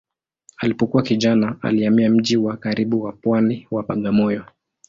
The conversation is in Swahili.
Alipokuwa kijana alihamia mji wa karibu wa pwani wa Bagamoyo.